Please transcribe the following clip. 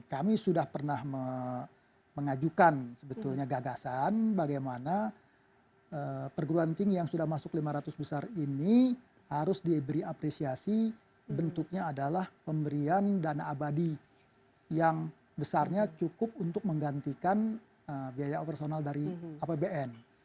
kami sudah pernah mengajukan sebetulnya gagasan bagaimana perguruan tinggi yang sudah masuk lima ratus besar ini harus diberi apresiasi bentuknya adalah pemberian dana abadi yang besarnya cukup untuk menggantikan biaya operasional dari apbn